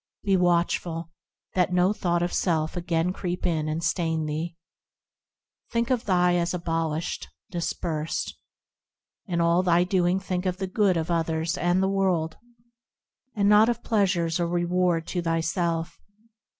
Be watchful, that no thought of self again creep in and stain thee. Think of thyself as abolished, dispersed : In all thy doing think of the good of others and of the world, And not of pleasure or reward to thyself.